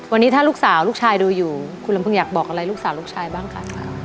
วันนี้ถ้าลูกสาวลูกชายดูอยู่คุณลำพึงอยากบอกอะไรลูกสาวลูกชายบ้างคะ